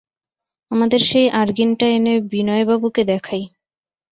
আমাদের সেই আর্গিনটা এনে বিনয়বাবুকে দেখাই।